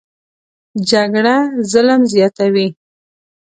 جګړه ظلم زیاتوي